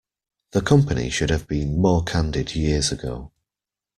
The company should have been more candid years ago.